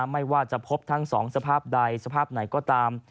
ไม่ว่าจะพบทั้งสองสภาพใดสภาพไหนก็ตาม